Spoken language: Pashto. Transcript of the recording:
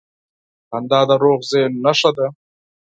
• خندا د روغ ذهن نښه ده.